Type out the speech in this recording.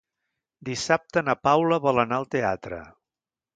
Dissabte na Paula vol anar al teatre.